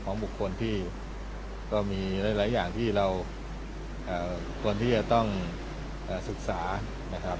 บุคคลที่ก็มีหลายอย่างที่เราควรที่จะต้องศึกษานะครับ